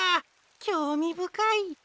きょうみぶかい。